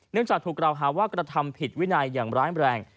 จากถูกกล่าวหาว่ากระทำผิดวินัยอย่างร้ายแรง